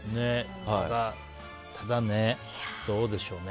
ただね、どうでしょうね。